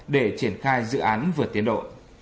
để triển khai dự án vượt tiến độ